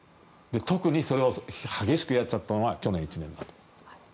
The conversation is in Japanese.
特にそれを激しくやっちゃったのが去年１年だった。